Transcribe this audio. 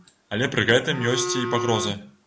Але пры гэтым ёсць і пагроза.